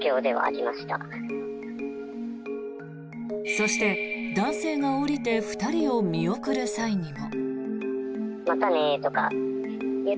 そして、男性が降りて２人を見送る際にも。